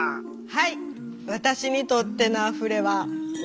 はい。